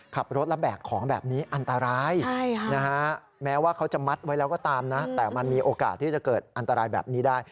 ขับรถแล้วแบกของแบบนี้อันตรายแม้ว่าเขาจะมัดไว้แล้วก็ตามนะแต่มันมีโอกาสที่จะเกิดอันตรายแบบนี้ได้